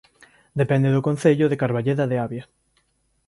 Depende do Concello de Carballeda de Avia